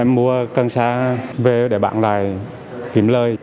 em mua cần xa về để bạn lại kiếm lời